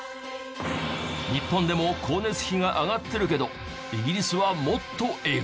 日本でも光熱費が上がってるけどイギリスはもっとえぐい。